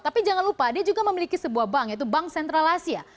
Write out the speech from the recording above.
tapi jangan lupa dia juga memiliki sebuah bank yaitu bank sentral asia